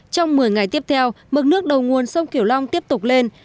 trong một mươi ngày tiếp theo mực nước đầu nguồn sông kiểu long tiếp tục lên